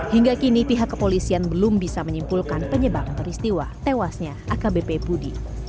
hingga kini pihak kepolisian belum bisa menyimpulkan penyebab peristiwa tewasnya akbp budi